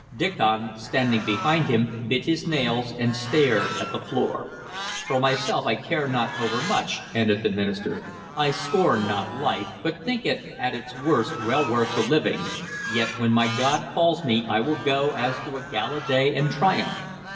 Diccon, standing behind him, bit his nails and stared at the floor. "For myself I care not overmuch," ended the minister. "I scorn not life, but think it at its worst well worth the living; yet when my God calls me, I will go as to a gala day and triumph.